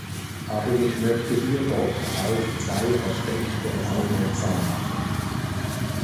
Aber ich möchte hier doch auf zwei Aspekte aufmerksam machen.